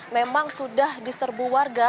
memang sudah diserbu warga